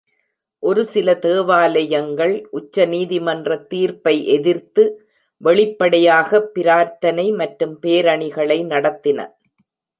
ஒரு சில தேவாலயங்கள் உச்ச நீதிமன்ற தீர்ப்பை எதிர்த்து வெளிப்படையாக பிரார்த்தனை மற்றும் பேரணிகளை நடத்தின.